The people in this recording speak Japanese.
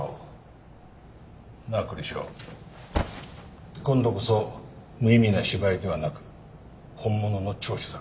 なあ栗城今度こそ無意味な芝居ではなく本物の聴取だ。